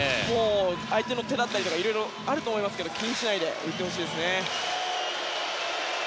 相手の手だったりいろいろあると思いますが気にしないで打ってほしいです。